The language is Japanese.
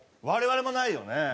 我々もないよね。